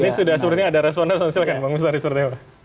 ini sudah sebetulnya ada responden silakan bang musnari soalnya pak